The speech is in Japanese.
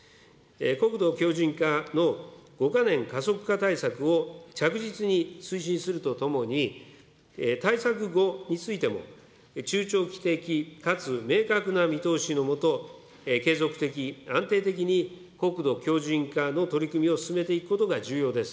国土強じん化の５か年加速化対策を着実に推進するとともに、対策後についても、中長期的かつ明確な見通しの下、継続的、安定的に国土強じん化の取り組みを進めていくことが重要です。